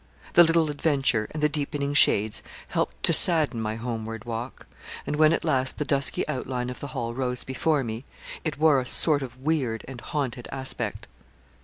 The little adventure, and the deepening shades, helped to sadden my homeward walk; and when at last the dusky outline of the Hall rose before me, it wore a sort of weird and haunted aspect.